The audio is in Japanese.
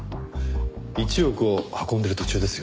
１億を運んでる途中ですよ？